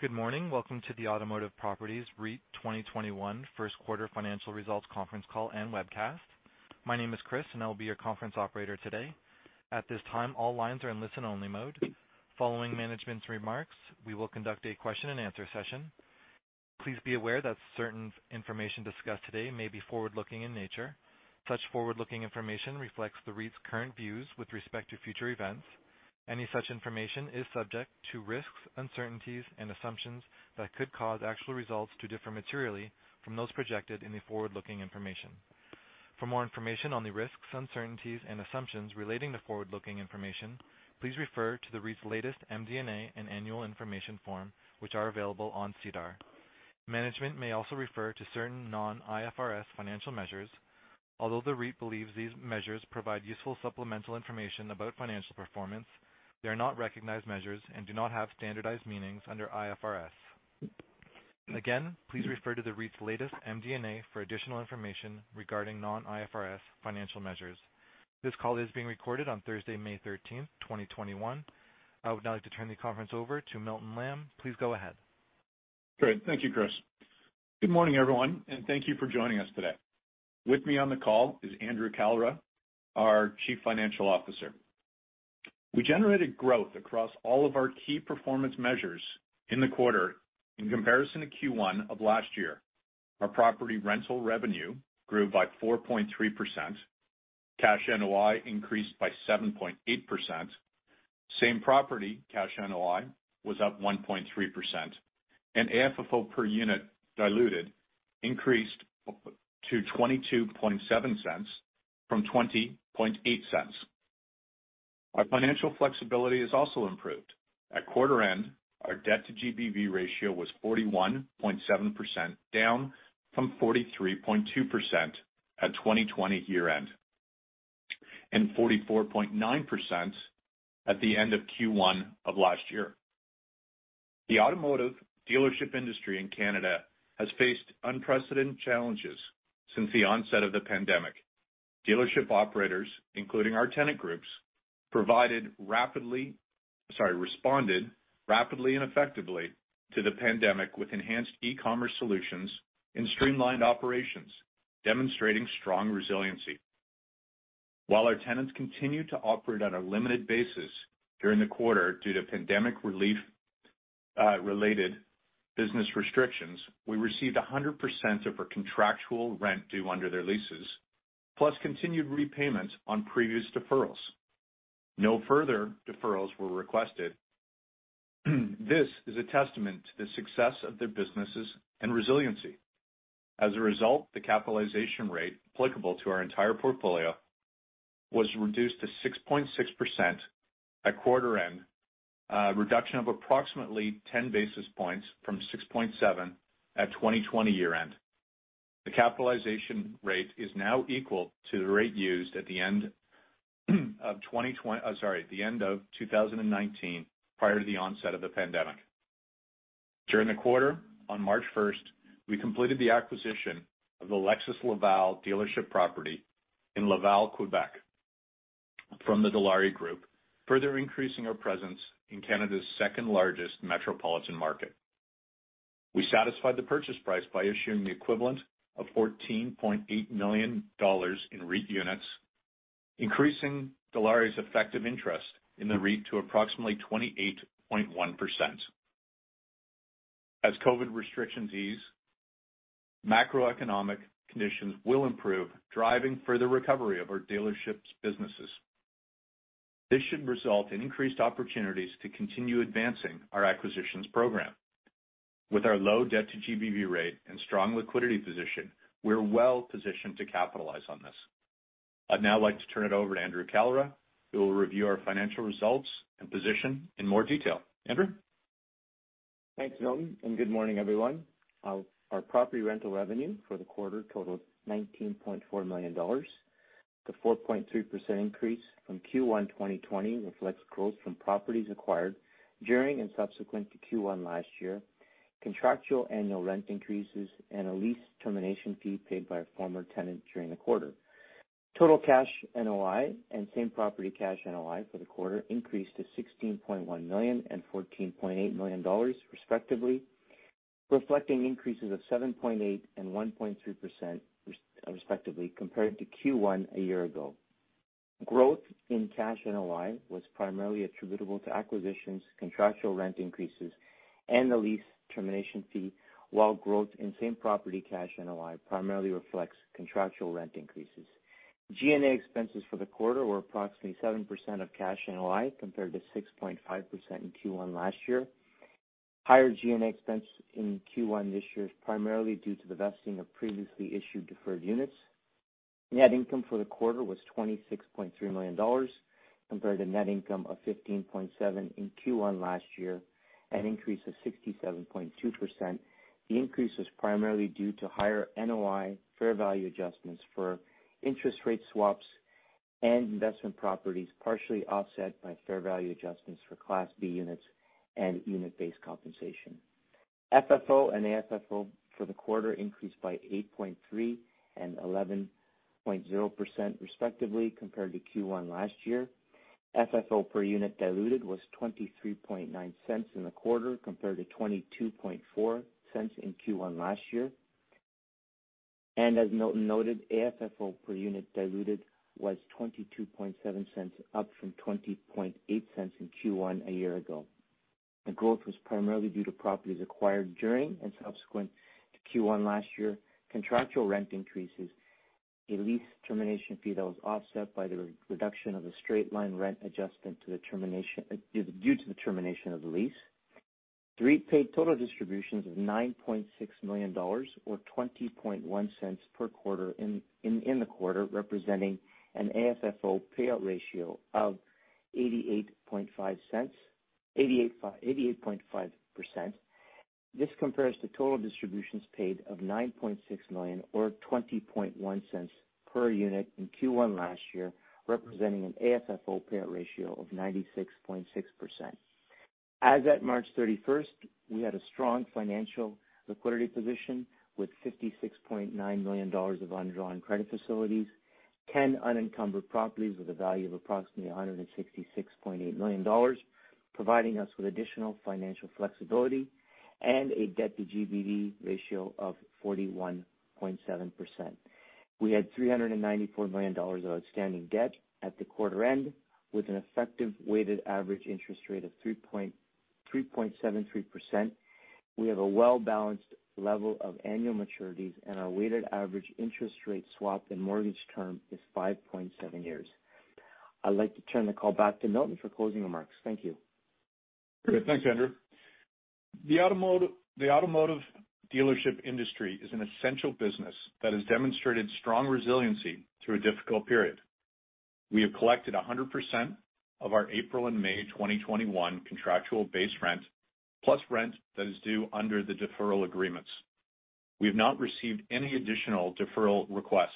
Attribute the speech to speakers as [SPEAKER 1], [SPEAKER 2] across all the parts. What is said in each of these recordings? [SPEAKER 1] Good morning. Welcome to the Automotive Properties REIT 2021 first quarter financial results conference call and webcast. My name is Chris and I'll be your conference operator today. At this time, all lines are in listen-only mode. Following management's remarks, we will conduct a question and answer session. Please be aware that certain information discussed today may be forward-looking in nature. Such forward-looking information reflects the REIT's current views with respect to future events. Any such information is subject to risks, uncertainties, and assumptions that could cause actual results to differ materially from those projected in the forward-looking information. For more information on the risks, uncertainties, and assumptions relating to forward-looking information, please refer to the REIT's latest MD&A and annual information form, which are available on SEDAR. Management may also refer to certain non-IFRS financial measures. Although the REIT believes these measures provide useful supplemental information about financial performance, they are not recognized measures and do not have standardized meanings under IFRS. Again, please refer to the REIT's latest MD&A for additional information regarding non-IFRS financial measures. This call is being recorded on Thursday, May 13th, 2021. I would now like to turn the conference over to Milton Lamb. Please go ahead.
[SPEAKER 2] Great. Thank you, Chris. Good morning, everyone. Thank you for joining us today. With me on the call is Andrew Kalra, our Chief Financial Officer. We generated growth across all of our key performance measures in the quarter in comparison to Q1 of last year. Our property rental revenue grew by 4.3%, cash NOI increased by 7.8%, same-property cash NOI was up 1.3%, and AFFO per unit diluted increased to 0.227 from 0.208. Our financial flexibility has also improved. At quarter end, our debt-to-GBV ratio was 41.7%, down from 43.2% at 2020 year-end, and 44.9% at the end of Q1 of last year The automotive dealership industry in Canada has faced unprecedented challenges since the onset of the pandemic. Dealership operators, including our tenant groups, responded rapidly and effectively to the pandemic with enhanced e-commerce solutions and streamlined operations, demonstrating strong resiliency. While our tenants continued to operate on a limited basis during the quarter due to pandemic relief related business restrictions, we received 100% of our contractual rent due under their leases, plus continued repayments on previous deferrals. No further deferrals were requested. This is a testament to the success of their businesses and resiliency. As a result, the capitalization rate applicable to our entire portfolio was reduced to 6.6% at quarter end, a reduction of approximately 10 basis points from 6.7 at 2020 year-end. The capitalization rate is now equal to the rate used at the end of 2019, prior to the onset of the pandemic. During the quarter, on March 1st, we completed the acquisition of the Lexus Laval dealership property in Laval, Quebec, from the Dilawri Group, further increasing our presence in Canada's second largest metropolitan market. We satisfied the purchase price by issuing the equivalent of 14.8 million dollars in REIT units, increasing Dilawri's effective interest in the REIT to approximately 28.1%. As COVID restrictions ease, macroeconomic conditions will improve, driving further recovery of our dealerships' businesses. This should result in increased opportunities to continue advancing our acquisitions program. With our low debt-to-GBV rate and strong liquidity position, we're well positioned to capitalize on this. I'd now like to turn it over to Andrew Kalra, who will review our financial results and position in more detail. Andrew?
[SPEAKER 3] Thanks, Milton. Good morning, everyone. Our property rental revenue for the quarter totaled 19.4 million dollars. The 4.3% increase from Q1 2020 reflects growth from properties acquired during and subsequent to Q1 last year, contractual annual rent increases, and a lease termination fee paid by a former tenant during the quarter. Total cash NOI and same-property cash NOI for the quarter increased to 16.1 million and 14.8 million dollars, respectively, reflecting increases of 7.8% and 1.3%, respectively, compared to Q1 a year ago. Growth in cash NOI was primarily attributable to acquisitions, contractual rent increases, and the lease termination fee, while growth in same-property cash NOI primarily reflects contractual rent increases. G&A expenses for the quarter were approximately 7% of cash NOI compared to 6.5% in Q1 last year. Higher G&A expense in Q1 this year is primarily due to the vesting of previously issued deferred units. Net income for the quarter was 26.3 million dollars compared to net income of 15.7 million in Q1 last year, an increase of 67.2%. The increase was primarily due to higher NOI fair value adjustments for interest rate swaps and investment properties, partially offset by fair value adjustments for Class B units and unit-based compensation. FFO and AFFO for the quarter increased by 8.3% and 11.0%, respectively, compared to Q1 last year. FFO per unit diluted was 0.239 in the quarter compared to 0.224 in Q1 last year. As Milton noted, AFFO per unit diluted was 0.227, up from 0.208 in Q1 a year ago. The growth was primarily due to properties acquired during and subsequent to Q1 last year, contractual rent increases, a lease termination fee that was offset by the reduction of the straight-line rent adjustment due to the termination of the lease. The REIT paid total distributions of 9.6 million dollars, or 0.201 per quarter in the quarter, representing an AFFO payout ratio of 88.5%. This compares to total distributions paid of 9.6 million or 0.201 per unit in Q1 last year, representing an AFFO payout ratio of 96.6%. As at March 31st, we had a strong financial liquidity position with 56.9 million dollars of undrawn credit facilities, 10 unencumbered properties with a value of approximately 166.8 million dollars, providing us with additional financial flexibility and a debt-to-GBV ratio of 41.7%. We had 394 million dollars of outstanding debt at the quarter end with an effective weighted average interest rate of 3.73%. We have a well-balanced level of annual maturities and our weighted average interest rate swap and mortgage term is 5.7 years. I'd like to turn the call back to Milton for closing remarks. Thank you.
[SPEAKER 2] Great. Thanks, Andrew. The automotive dealership industry is an essential business that has demonstrated strong resiliency through a difficult period. We have collected 100% of our April and May 2021 contractual base rent, plus rent that is due under the deferral agreements. We have not received any additional deferral requests.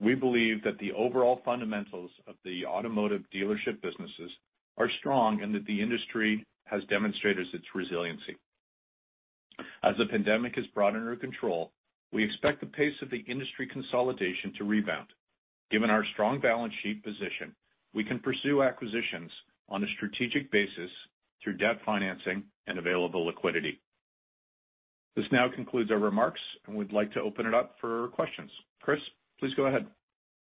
[SPEAKER 2] We believe that the overall fundamentals of the automotive dealership businesses are strong and that the industry has demonstrated its resiliency. As the pandemic is brought under control, we expect the pace of the industry consolidation to rebound. Given our strong balance sheet position, we can pursue acquisitions on a strategic basis through debt financing and available liquidity. This now concludes our remarks, and we'd like to open it up for questions. Chris, please go ahead.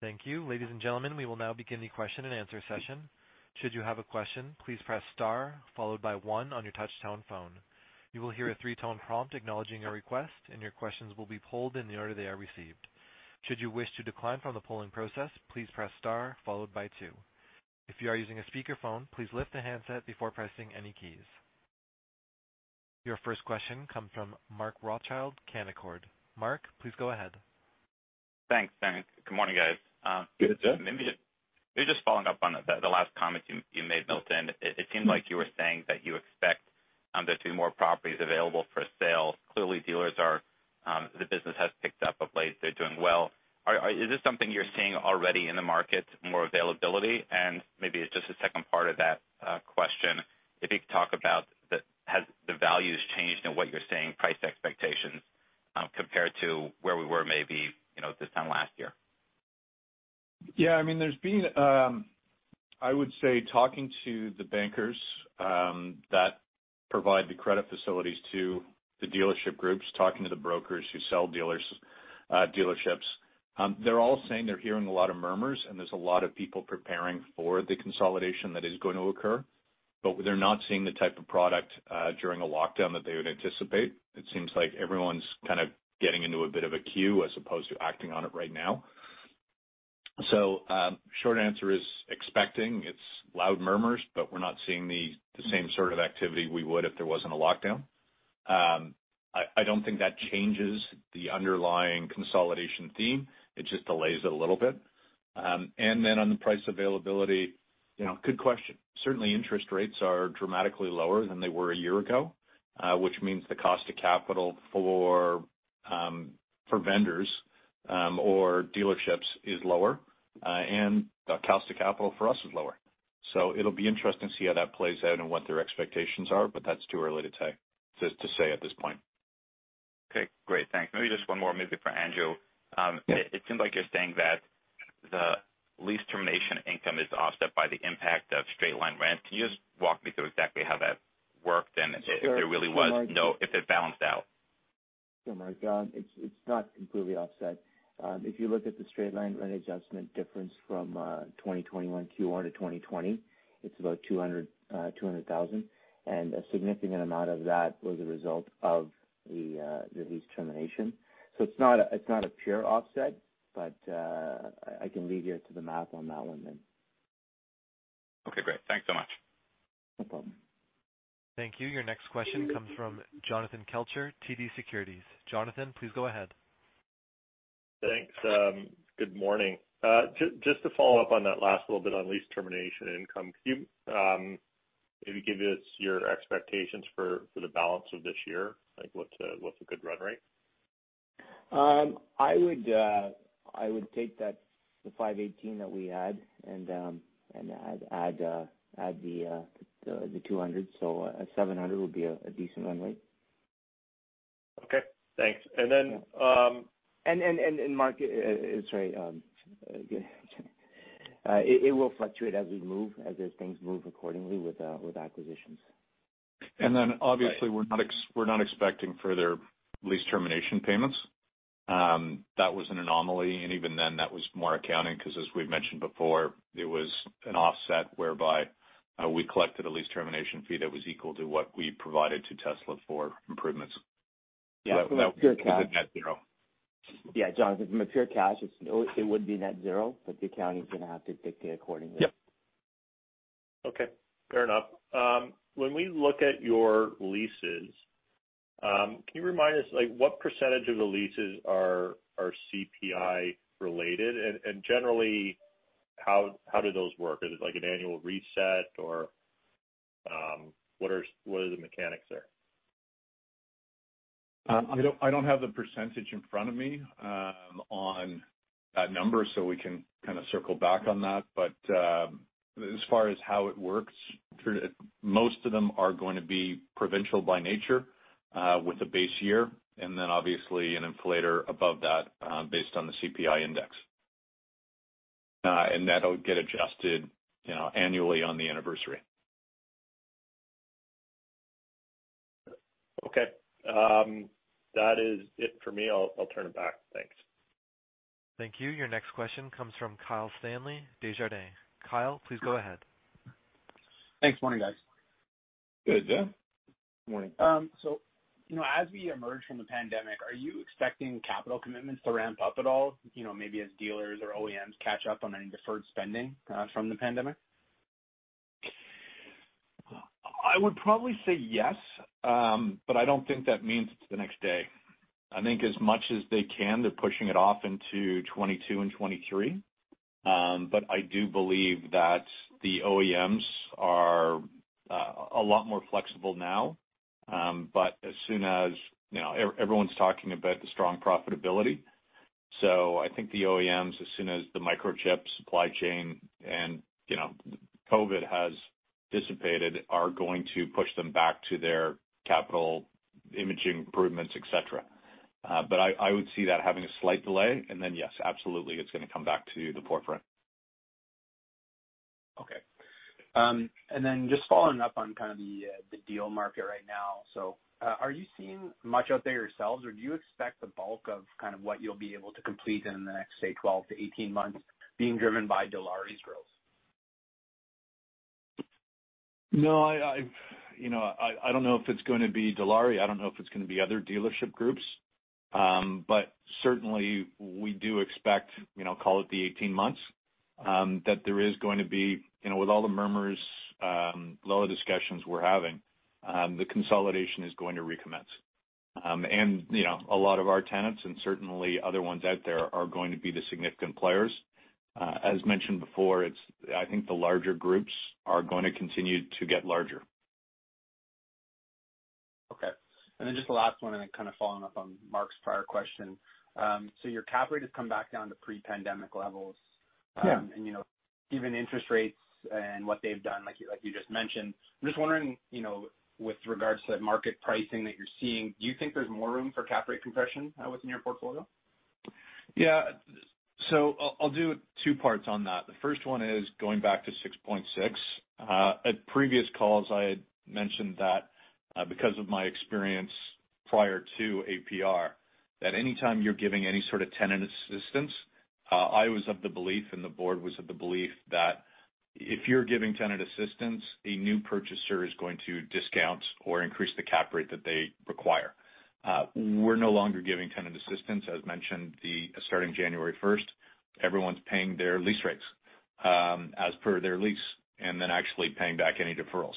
[SPEAKER 1] Thank you. Ladies and gentlemen, we will now begin the question and answer session. If you would like to ask a question, please press star followed by one on your touch-tone phone. You will hear three tone to acknowledging your request and your question will be polled in. If you wish to decline from polling process please press star followed by two. If you are using speaker phone please lift the handset before pressing any keys. Your first question comes from Mark Rothschild, Canaccord. Mark, please go ahead.
[SPEAKER 4] Thanks. Good morning, guys.
[SPEAKER 2] Good, sir.
[SPEAKER 4] Maybe just following up on the last comment you made, Milton. It seemed like you were saying that you expect there to be more properties available for sale. Clearly, the business has picked up of late. They're doing well. Is this something you're seeing already in the market, more availability? Maybe just a second part of that question, if you could talk about has the values changed in what you're seeing price expectations compared to where we were maybe this time last year?
[SPEAKER 2] I would say talking to the bankers that provide the credit facilities to the dealership groups, talking to the brokers who sell dealerships, they're all saying they're hearing a lot of murmurs, and there's a lot of people preparing for the consolidation that is going to occur. They're not seeing the type of product during a lockdown that they would anticipate. It seems like everyone's kind of getting into a bit of a queue as opposed to acting on it right now. Short answer is expecting. It's loud murmurs, we're not seeing the same sort of activity we would if there wasn't a lockdown. I don't think that changes the underlying consolidation theme. It just delays it a little bit. On the price availability, good question. Certainly, interest rates are dramatically lower than they were a year ago, which means the cost of capital for vendors or dealerships is lower, and the cost of capital for us is lower. It'll be interesting to see how that plays out and what their expectations are, but that's too early to say at this point.
[SPEAKER 4] Okay, great. Thanks. Maybe just one more maybe for Andrew.
[SPEAKER 3] Yeah.
[SPEAKER 4] It seems like you're saying that the lease termination income is offset by the impact of straight-line rent. Can you just walk me through exactly how that worked and if there really was?
[SPEAKER 3] Sure, Mark.
[SPEAKER 4] if it balanced out?
[SPEAKER 3] Sure, Mark. It's not completely offset. If you look at the straight-line rent adjustment difference from 2021 Q1 to 2020, it's about 200,000, and a significant amount of that was a result of the lease termination. It's not a pure offset, but I can leave you to the math on that one then.
[SPEAKER 4] Okay, great. Thanks so much.
[SPEAKER 3] No problem.
[SPEAKER 1] Thank you. Your next question comes from Jonathan Kelcher, TD Securities. Jonathan, please go ahead.
[SPEAKER 5] Thanks. Good morning. Just to follow up on that last little bit on lease termination income, could you maybe give us your expectations for the balance of this year? What's a good run rate?
[SPEAKER 3] I would take that the 518 that we had and add the 200. 700 would be a decent run rate.
[SPEAKER 5] Okay, thanks.
[SPEAKER 3] [Mark], it will fluctuate as things move accordingly with acquisitions.
[SPEAKER 2] Obviously we're not expecting further lease termination payments. That was an anomaly, and even then that was more accounting because as we've mentioned before, it was an offset whereby we collected a lease termination fee that was equal to what we provided to Tesla for improvements.
[SPEAKER 3] Yeah.
[SPEAKER 5] It was a net zero.
[SPEAKER 3] Yeah, Jonathan, from a pure cash, it would be net zero, but the accounting is going to have to dictate accordingly.
[SPEAKER 2] Yep.
[SPEAKER 5] Okay, fair enough. When we look at your leases, can you remind us what percent of the leases are CPI related, and generally, how do those work? Is it an annual reset, or what are the mechanics there?
[SPEAKER 2] I don't have the percentage in front of me on that number, so we can circle back on that. As far as how it works, most of them are going to be provincial by nature with a base year, and then obviously an inflator above that based on the CPI index. That'll get adjusted annually on the anniversary.
[SPEAKER 5] Okay. That is it for me. I'll turn it back. Thanks.
[SPEAKER 1] Thank you. Your next question comes from Kyle Stanley, Desjardins. Kyle, please go ahead.
[SPEAKER 6] Thanks. Morning, guys.
[SPEAKER 2] Good. Yeah. Morning.
[SPEAKER 6] As we emerge from the pandemic, are you expecting capital commitments to ramp up at all, maybe as dealers or OEMs catch up on any deferred spending from the pandemic?
[SPEAKER 2] I would probably say yes. I don't think that means it's the next day. I think as much as they can, they're pushing it off into 2022 and 2023. I do believe that the OEMs are a lot more flexible now. Everyone's talking about the strong profitability. I think the OEMs, as soon as the microchip supply chain and COVID has dissipated, are going to push them back to their capital imaging improvements, et cetera. I would see that having a slight delay, and then, yes, absolutely, it's going to come back to the forefront.
[SPEAKER 6] Okay. Just following up on kind of the deal market right now. Are you seeing much out there yourselves, or do you expect the bulk of what you'll be able to complete in the next, say, 12 to 18 months being driven by Dilawri's growth?
[SPEAKER 2] I don't know if it's going to be Dilawri. I don't know if it's going to be other dealership groups. Certainly, we do expect, call it the 18 months, that there is going to be, with all the murmurs, lot of discussions we're having, the consolidation is going to recommence. A lot of our tenants, and certainly other ones out there, are going to be the significant players. As mentioned before, I think the larger groups are going to continue to get larger.
[SPEAKER 6] Okay. Just the last one, and then kind of following up on Mark's prior question. Your cap rate has come back down to pre-pandemic levels.
[SPEAKER 2] Yeah.
[SPEAKER 6] Given interest rates and what they've done, like you just mentioned, I'm just wondering, with regards to market pricing that you're seeing, do you think there's more room for cap rate compression within your portfolio?
[SPEAKER 2] I'll do two parts on that. The first one is going back to 6.6. At previous calls, I had mentioned that because of my experience prior to APR, that any time you're giving any sort of tenant assistance, I was of the belief, and the board was of the belief, that if you're giving tenant assistance, a new purchaser is going to discount or increase the cap rate that they require. We're no longer giving tenant assistance. As mentioned, starting January 1st, everyone's paying their lease rates as per their lease, and then actually paying back any deferrals.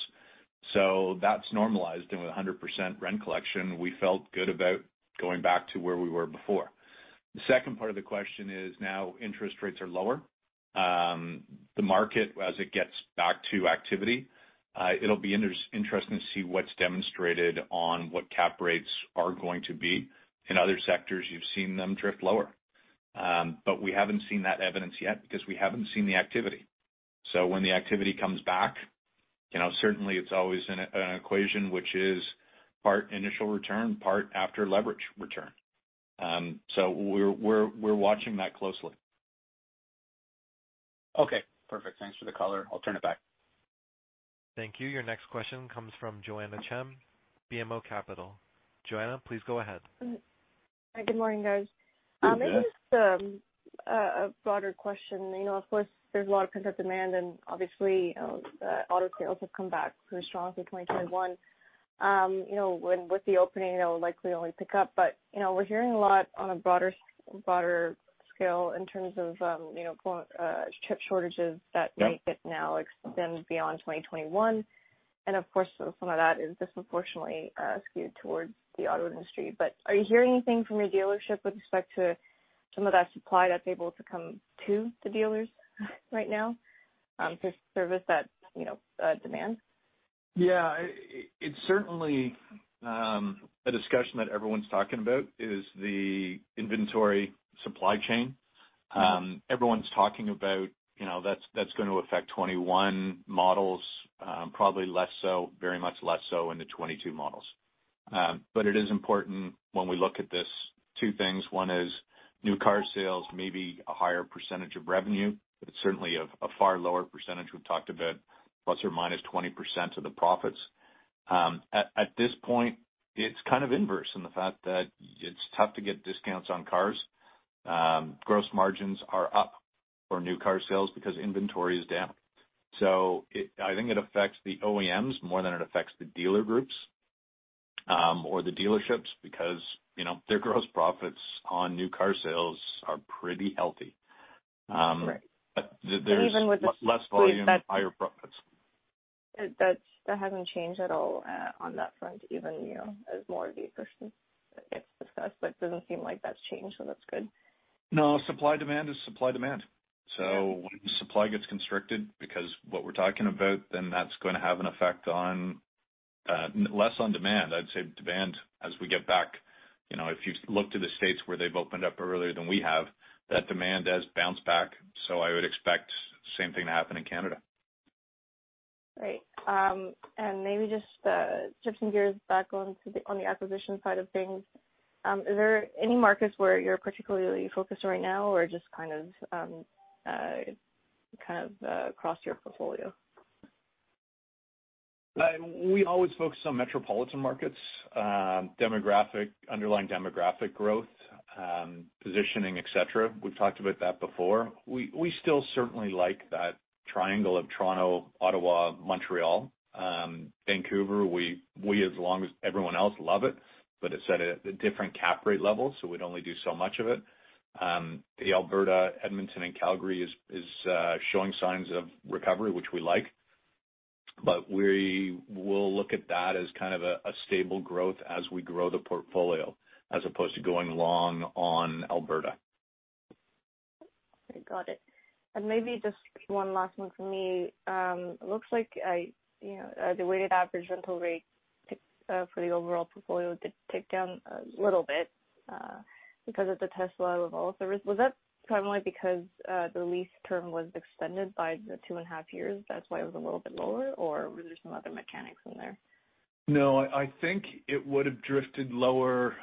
[SPEAKER 2] That's normalized. With 100% rent collection, we felt good about going back to where we were before. The second part of the question is now interest rates are lower. The market, as it gets back to activity, it'll be interesting to see what's demonstrated on what cap rates are going to be. In other sectors, you've seen them drift lower. We haven't seen that evidence yet because we haven't seen the activity. When the activity comes back, certainly it's always an equation which is part initial return, part after leverage return. We're watching that closely.
[SPEAKER 6] Okay, perfect. Thanks for the color. I will turn it back.
[SPEAKER 1] Thank you. Your next question comes from Joanne Chen, BMO Capital. Joanne, please go ahead.
[SPEAKER 7] Hi. Good morning, guys.
[SPEAKER 2] Good morning.
[SPEAKER 7] Maybe just a broader question. Of course, there's a lot of pent-up demand, and obviously auto sales have come back pretty strong through 2021. With the opening, it'll likely only pick up. We're hearing a lot on a broader scale in terms of chip shortages that might get now extended beyond 2021. Of course, some of that is disproportionately skewed towards the auto industry. Are you hearing anything from your dealership with respect to some of that supply that's able to come to the dealers right now to service that demand?
[SPEAKER 2] Yeah. It's certainly a discussion that everyone's talking about, is the inventory supply chain. Everyone's talking about, that's going to affect 2021 models, probably very much less so in the 2022 models. It is important when we look at this, two things. One is new car sales may be a higher percentage of revenue, but it's certainly a far lower percentage. We've talked about ±20% of the profits. At this point, it's kind of inverse in the fact that it's tough to get discounts on cars. Gross margins are up for new car sales because inventory is down. I think it affects the OEMs more than it affects the dealer groups, or the dealerships because their gross profits on new car sales are pretty healthy.
[SPEAKER 7] Right.
[SPEAKER 2] There's less volume, higher profits.
[SPEAKER 7] That hasn't changed at all on that front, even as more of the gets discussed, but it doesn't seem like that's changed, so that's good.
[SPEAKER 2] No. Supply, demand is supply, demand. When supply gets constricted because what we're talking about, then that's going to have an effect less on demand. I'd say demand as we get back, if you look to the U.S. where they've opened up earlier than we have, that demand has bounced back. I would expect the same thing to happen in Canada.
[SPEAKER 7] Right. Maybe just shifting gears back on the acquisition side of things. Is there any markets where you're particularly focused right now, or just kind of across your portfolio?
[SPEAKER 2] We always focus on metropolitan markets, underlying demographic growth, positioning, et cetera. We've talked about that before. We still certainly like that triangle of Toronto, Ottawa, Montreal. Vancouver, we, as long as everyone else, love it, but it's at a different cap rate level, so we'd only do so much of it. The Alberta, Edmonton, and Calgary is showing signs of recovery, which we like. We will look at that as kind of a stable growth as we grow the portfolio, as opposed to going long on Alberta.
[SPEAKER 7] Okay. Got it. Maybe just one last one from me. It looks like the weighted average rental rate for the overall portfolio did tick down a little bit because of the Lexus Laval service. Was that primarily because the lease term was extended by 2.5 Years, that's why it was a little bit lower? Were there some other mechanics in there?
[SPEAKER 2] No, I think it would've drifted lower.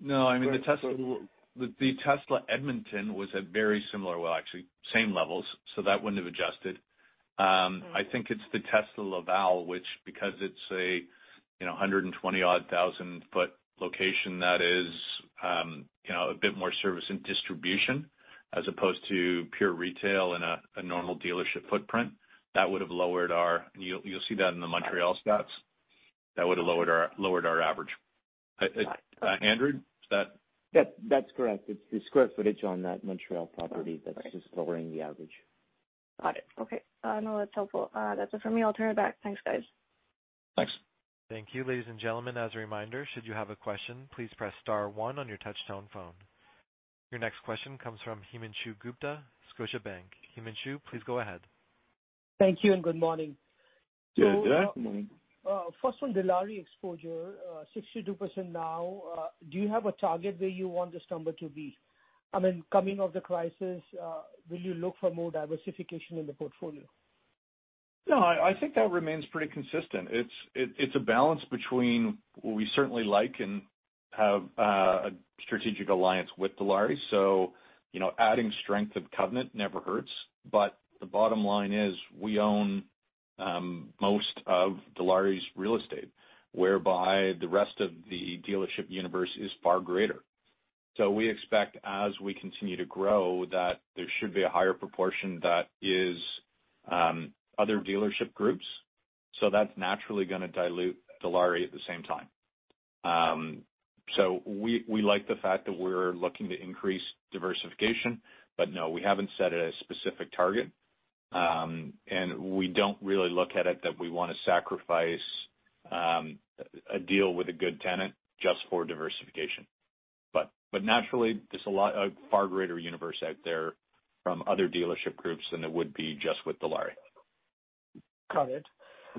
[SPEAKER 2] No, the Tesla Edmonton was actually same levels, so that wouldn't have adjusted. I think it's the Tesla Laval, which because it's a 120-odd thousand ft location that is a bit more service and distribution as opposed to pure retail in a normal dealership footprint. You'll see that in the Montreal stats. That would've lowered our average. Andrew, is that?
[SPEAKER 3] Yes, that's correct. It's the square footage on that Montreal property that's just lowering the average.
[SPEAKER 7] Got it. Okay. No, that's helpful. That's it for me. I'll turn it back. Thanks, guys.
[SPEAKER 2] Thanks.
[SPEAKER 1] Thank you, ladies and gentlemen. As a reminder, should you have a question, please press star one on your touch-tone phone. Your next question comes from Himanshu Gupta, Scotiabank. Himanshu, please go ahead.
[SPEAKER 8] Thank you and good morning.
[SPEAKER 2] Good afternoon.
[SPEAKER 8] On Dilawri exposure, 62% now. Do you have a target where you want this number to be? Coming out of the crisis, will you look for more diversification in the portfolio?
[SPEAKER 2] No, I think that remains pretty consistent. It's a balance between what we certainly like and have a strategic alliance with Dilawri. Adding strength of covenant never hurts, but the bottom line is we own most of Dilawri's real estate, whereby the rest of the dealership universe is far greater. We expect, as we continue to grow, that there should be a higher proportion that is other dealership groups. That's naturally going to dilute Dilawri at the same time. We like the fact that we're looking to increase diversification. No, we haven't set a specific target. We don't really look at it that we want to sacrifice a deal with a good tenant just for diversification. Naturally, there's a far greater universe out there from other dealership groups than there would be just with Dilawri.
[SPEAKER 8] Got it.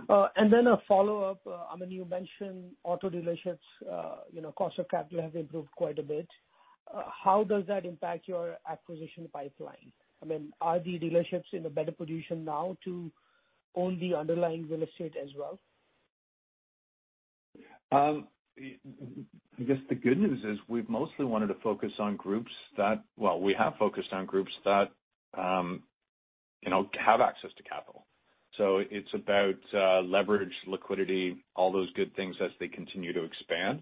[SPEAKER 8] A follow-up. You mentioned auto dealerships' cost of capital have improved quite a bit. How does that impact your acquisition pipeline? Are the dealerships in a better position now to own the underlying real estate as well?
[SPEAKER 2] I guess the good news is we've mostly wanted to focus on groups that. Well, we have focused on groups that have access to capital. It's about leverage, liquidity, all those good things as they continue to expand.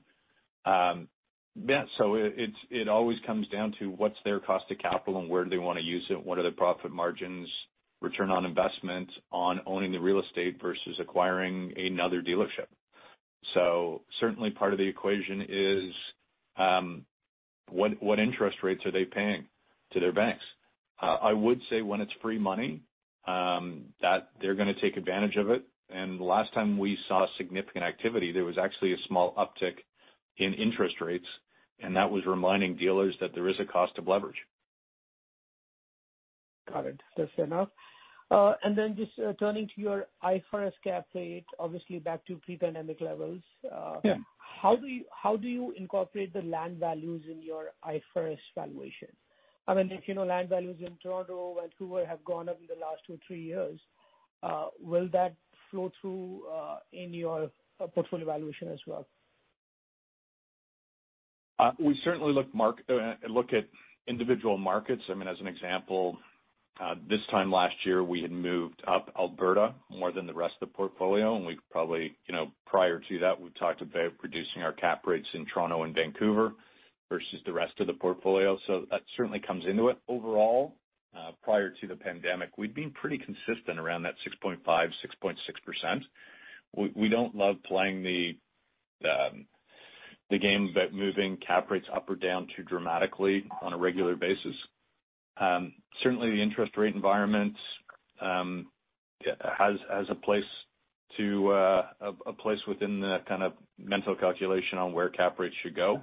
[SPEAKER 2] It always comes down to what's their cost of capital and where do they want to use it, and what are the profit margins, return on investment on owning the real estate versus acquiring another dealership. Certainly part of the equation is what interest rates are they paying to their banks? I would say when it's free money, that they're going to take advantage of it. The last time we saw significant activity, there was actually a small uptick in interest rates, and that was reminding dealers that there is a cost of leverage
[SPEAKER 8] Got it. That's fair enough. Just turning to your IFRS cap rate, obviously back to pre-pandemic levels.
[SPEAKER 2] Yeah
[SPEAKER 8] How do you incorporate the land values in your IFRS valuation? If land values in Toronto, Vancouver have gone up in the last two, three years, will that flow through in your portfolio valuation as well?
[SPEAKER 2] We certainly look at individual markets. As an example, this time last year, we had moved up Alberta more than the rest of the portfolio, and prior to that, we've talked about reducing our cap rates in Toronto and Vancouver versus the rest of the portfolio. That certainly comes into it. Overall, prior to the pandemic, we'd been pretty consistent around that 6.5%, 6.6%. We don't love playing the game about moving cap rates up or down too dramatically on a regular basis. Certainly, the interest rate environment has a place within that kind of mental calculation on where cap rates should go,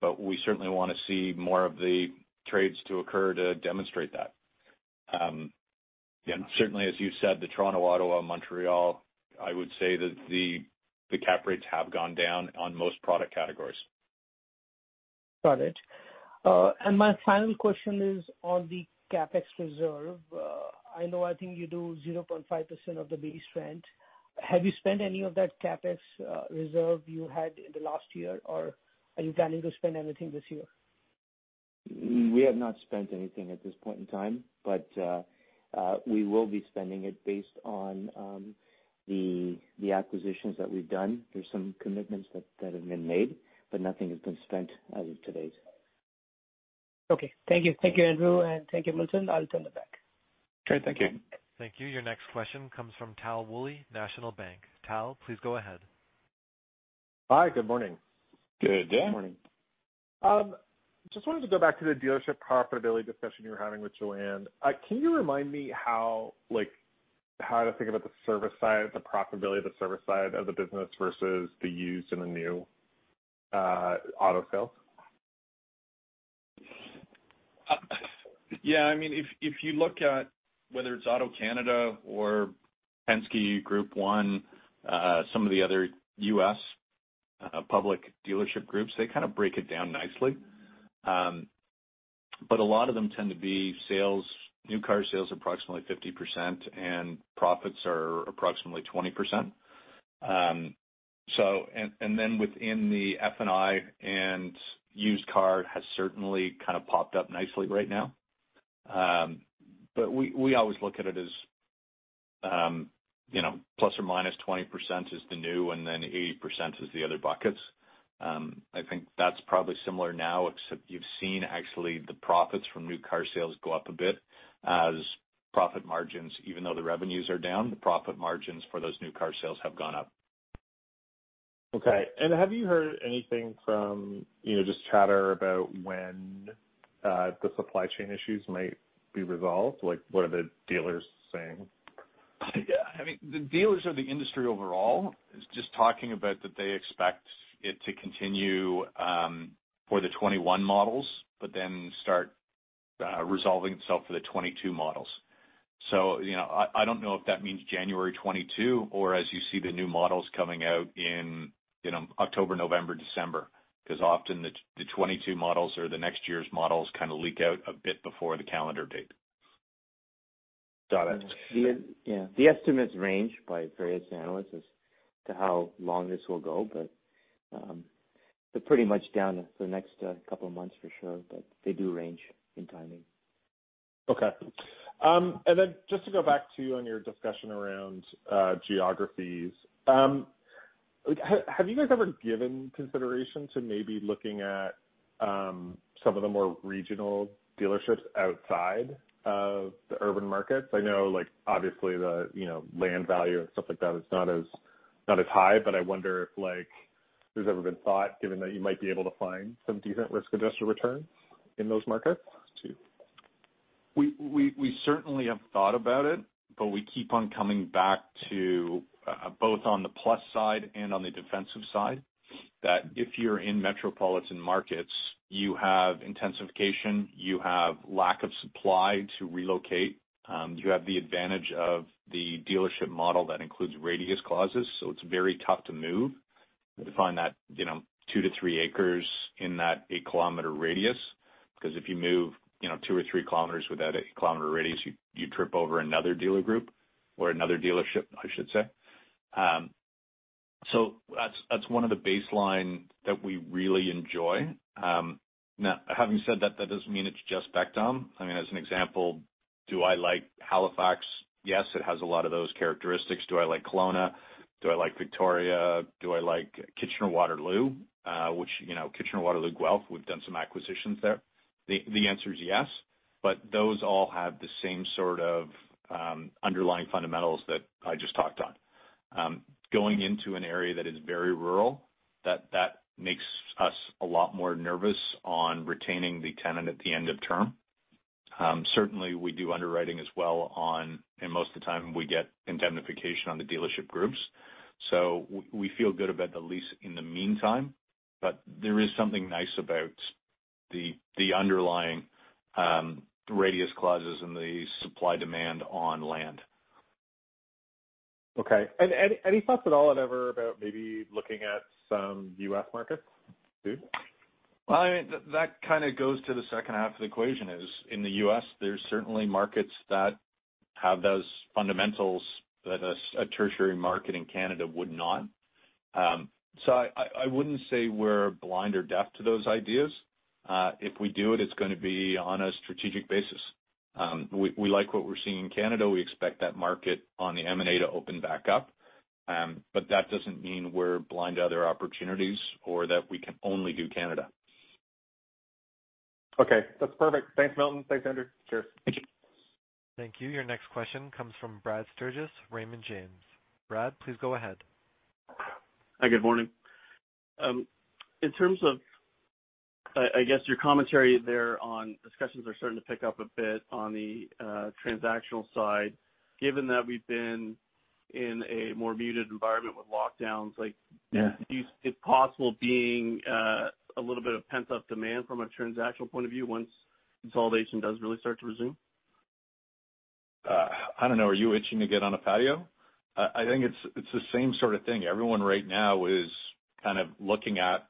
[SPEAKER 2] but we certainly want to see more of the trades to occur to demonstrate that. Certainly, as you said, the Toronto, Ottawa, Montreal, I would say that the cap rates have gone down on most product categories.
[SPEAKER 8] Got it. My final question is on the CapEx reserve. I know I think you do 0.5% of the base rent. Have you spent any of that CapEx reserve you had in the last year, or are you planning to spend anything this year?
[SPEAKER 3] We have not spent anything at this point in time, but we will be spending it based on the acquisitions that we've done. There are some commitments that have been made, but nothing has been spent as of today.
[SPEAKER 8] Okay. Thank you. Thank you, Andrew, and thank you, Milton. I'll turn it back.
[SPEAKER 2] Great. Thank you.
[SPEAKER 1] Thank you. Your next question comes from Tal Woolley, National Bank. Tal, please go ahead.
[SPEAKER 9] Hi, good morning.
[SPEAKER 2] Good day.
[SPEAKER 3] Morning.
[SPEAKER 9] Just wanted to go back to the dealership profitability discussion you were having with Joanne. Can you remind me how to think about the profitability of the service side of the business versus the used and the new auto sales?
[SPEAKER 2] Yeah. If you look at whether it's AutoCanada or Penske Automotive, Group 1 Automotive, some of the other U.S. public dealership groups, they kind of break it down nicely. A lot of them tend to be new car sales approximately 50%, and profits are approximately 20%. Within the F&I and used car has certainly kind of popped up nicely right now. We always look at it as ±20% is the new, and then 80% is the other buckets. I think that's probably similar now, except you've seen actually the profits from new car sales go up a bit as profit margins, even though the revenues are down, the profit margins for those new car sales have gone up.
[SPEAKER 9] Okay. have you heard anything from just chatter about when the supply chain issues might be resolved? What are the dealers saying?
[SPEAKER 2] The dealers or the industry overall is just talking about that they expect it to continue for the 2021 models, but then start resolving itself for the 2022 models. I don't know if that means January 2022 or as you see the new models coming out in October, November, December, because often the 2022 models or the next year's models kind of leak out a bit before the calendar date.
[SPEAKER 9] Got it.
[SPEAKER 3] Yeah. The estimates range by various analysts as to how long this will go, but they're pretty much down for the next couple of months for sure, but they do range in timing.
[SPEAKER 9] Okay. Just to go back to on your discussion around geographies. Have you guys ever given consideration to maybe looking at some of the more regional dealerships outside of the urban markets? I know, obviously the land value and stuff like that is not as high, but I wonder if there's ever been thought, given that you might be able to find some decent risk-adjusted returns in those markets too.
[SPEAKER 2] We certainly have thought about it, but we keep on coming back to, both on the plus side and on the defensive side, that if you're in metropolitan markets, you have intensification, you have lack of supply to relocate. You have the advantage of the dealership model that includes radius clauses, so it's very tough to move, to find that 2-3 acres in that 8-km radius. If you move 2 or 3 km with that 8-km radius, you trip over another dealer group or another dealership, I should say. That's one of the baseline that we really enjoy. Having said that doesn't mean it's just back of beyond. As an example, do I like Halifax? Yes, it has a lot of those characteristics. Do I like Kelowna? Do I like Victoria? Do I like Kitchener-Waterloo? Kitchener-Waterloo, Guelph, we've done some acquisitions there. The answer is yes, but those all have the same sort of underlying fundamentals that I just talked on. Going into an area that is very rural, that makes us a lot more nervous on retaining the tenant at the end of term. Certainly, we do underwriting as well, and most of the time we get indemnification on the dealership groups. We feel good about the lease in the meantime, but there is something nice about the underlying radius clauses and the supply-demand on land.
[SPEAKER 9] Okay. Any thoughts at all, ever, about maybe looking at some U.S. markets too?
[SPEAKER 2] That kind of goes to the second half of the equation is, in the U.S., there's certainly markets that have those fundamentals that a tertiary market in Canada would not. I wouldn't say we're blind or deaf to those ideas. If we do it's going to be on a strategic basis. We like what we're seeing in Canada. We expect that market on the M&A to open back up. That doesn't mean we're blind to other opportunities or that we can only do Canada.
[SPEAKER 9] Okay, that's perfect. Thanks, Milton. Thanks, Andrew. Cheers.
[SPEAKER 2] Thank you.
[SPEAKER 1] Thank you. Your next question comes from Brad Sturges, Raymond James. Brad, please go ahead.
[SPEAKER 10] Hi, good morning. In terms of, I guess, your commentary there on discussions are starting to pick up a bit on the transactional side, given that we've been in a more muted environment with lockdowns-
[SPEAKER 2] Yeah
[SPEAKER 10] do you see it possible being a little bit of pent-up demand from a transactional point of view once consolidation does really start to resume?
[SPEAKER 2] I don't know. Are you itching to get on a patio? I think it's the same sort of thing. Everyone right now is kind of looking at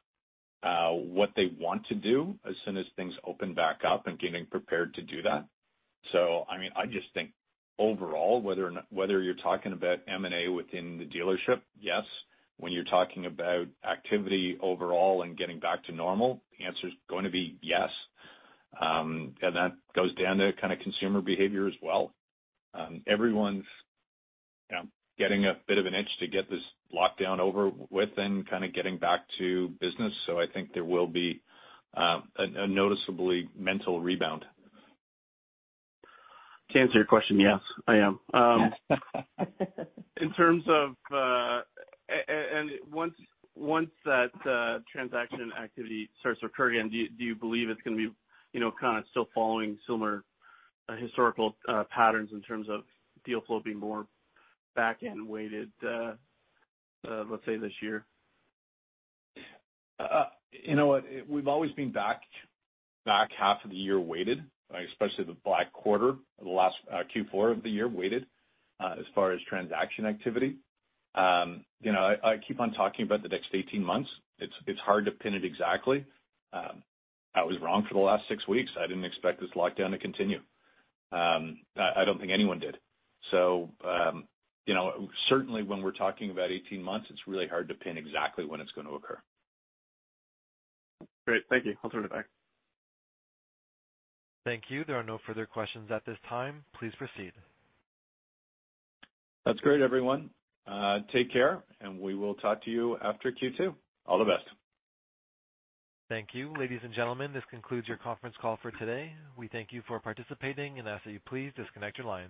[SPEAKER 2] what they want to do as soon as things open back up and getting prepared to do that. I just think overall, whether you're talking about M&A within the dealership, yes. When you're talking about activity overall and getting back to normal, the answer's going to be yes. That goes down to consumer behavior as well. Everyone's getting a bit of an itch to get this lockdown over with and kind of getting back to business, so I think there will be a noticeably mental rebound.
[SPEAKER 3] To answer your question, yes, I am.
[SPEAKER 10] Once that transaction activity starts to occur again, do you believe it's going to be still following similar historical patterns in terms of deal flow being more back-end weighted, let's say, this year?
[SPEAKER 2] You know what? We've always been back half of the year weighted, especially the black quarter, the last Q4 of the year weighted, as far as transaction activity. I keep on talking about the next 18 months. It's hard to pin it exactly. I was wrong for the last six weeks. I didn't expect this lockdown to continue. I don't think anyone did. Certainly when we're talking about 18 months, it's really hard to pin exactly when it's going to occur.
[SPEAKER 10] Great. Thank you. I'll turn it back.
[SPEAKER 1] Thank you. There are no further questions at this time. Please proceed.
[SPEAKER 2] That's great, everyone. Take care, and we will talk to you after Q2. All the best.
[SPEAKER 1] Thank you. Ladies and gentlemen, this concludes your conference call for today. We thank you for participating and ask that you please disconnect your lines.